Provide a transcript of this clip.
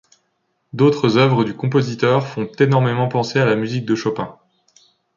D’autres œuvres du compositeur font énormément penser à la musique de Chopin.